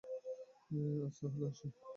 আজ তাহলে আসি।